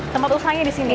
tempat usahanya di sini